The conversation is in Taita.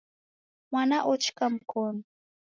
Mwana ochika mkonu.